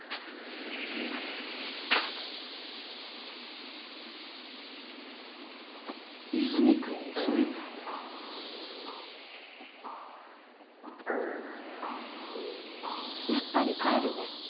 ありがとう和泉君遅いな「やっぱり帰るね」